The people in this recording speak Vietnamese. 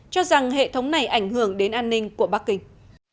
cho rằng hệ thống này ảnh hưởng đến an ninh của bắc kinh